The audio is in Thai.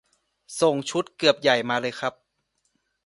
ส่งชุดเกือบใหญ่มาเลยครับ